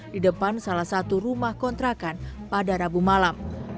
di depan salah satu rumah kontrakan pada rabu malam